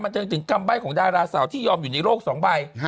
จนถึงกรรมใบ้ของดาราสาวที่ยอมอยู่ในโลก๒ใบ